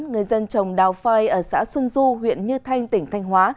người dân trồng đào phai ở xã xuân du huyện như thanh tỉnh thanh hóa